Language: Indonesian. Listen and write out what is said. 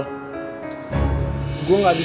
gak mau gue datang dong